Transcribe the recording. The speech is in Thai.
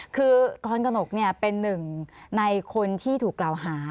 คือกรกนกเป็นหนึ่งในคนที่ถูกกล่าวหา